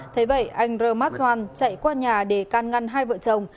thế vậy anh rơ mát doan chạy qua nhà để can ngăn hai vợ chồng